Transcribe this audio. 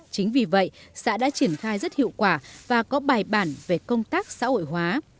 chính vì vậy xã đã triển khai rất hiệu quả và có bài bản về công tác xã hội hóa